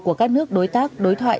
của các nước đối tác đối thoại